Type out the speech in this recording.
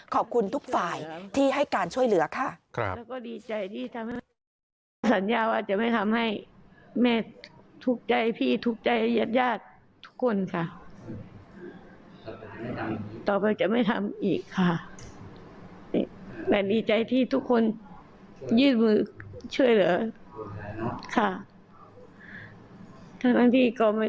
ขอบคุณทุกฝ่ายที่ให้การช่วยเหลือค่ะ